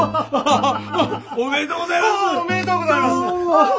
ありがとうございます。